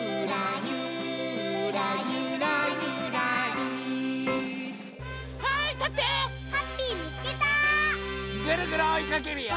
ぐるぐるおいかけるよ。